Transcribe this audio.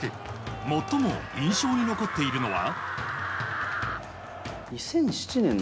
最も印象に残っているのは？